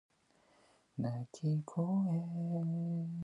Ɗum gilɗi ɗisotoo haa heŋre, tufa nde.